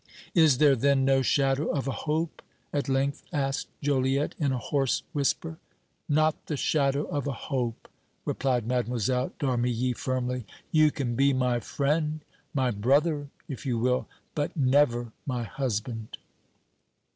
"Is there then no shadow of a hope?" at length asked Joliette, in a hoarse whisper. "Not the shadow of a hope!" replied Mlle. d'Armilly, firmly. "You can be my friend, my brother, if you will, but never my husband."